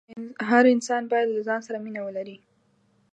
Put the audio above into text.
هر انسان باید له ځان سره مینه ولري.